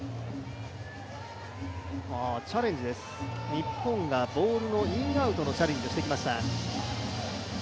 日本がボールのインアウトのチャレンジをしてきました。